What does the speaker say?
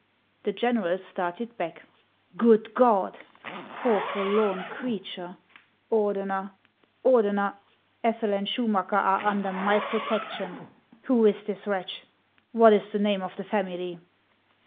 The general started back. HANS OF ICELAND. 127 "Good God! Poor, forlorn creature! Ordeuer, Ordener, Ethel and Schumacker are under my protection. Who is this wretch ? What is the name of the family